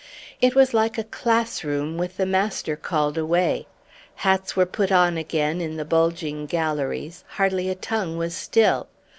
It was like a class room with the master called away. Hats were put on again in the bulging galleries; hardly a tongue was still.